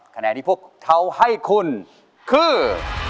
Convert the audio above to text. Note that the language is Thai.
คะแนนที่พวกเขาให้คุณคือ